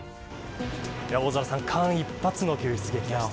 大空さん間一髪の救出劇でしたね。